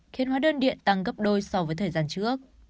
khiến hóa đơn điện tăng gấp đôi so với thời gian trước